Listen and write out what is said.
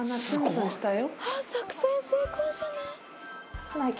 作戦成功じゃない？